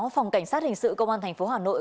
phòng cảnh sát hình sự công an tp hà nội